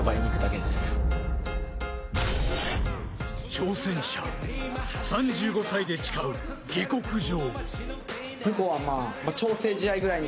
挑戦者、３５歳で誓う下克上。